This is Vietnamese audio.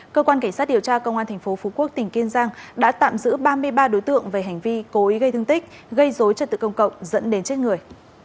cơ quan cảnh sát điều tra công an tp phú quốc tỉnh kiên giang đã tạm giữ ba mươi ba đối tượng về hành vi cố ý gây thương tích gây dối trật tự công cộng dẫn đến chết người